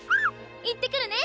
いってくるね。